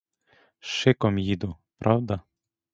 З шиком їду, правда?